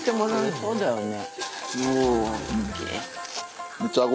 そうだよね。